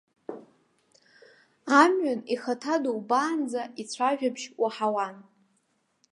Амҩан ихаҭа дубаанӡа ицәажәабжь уаҳауан.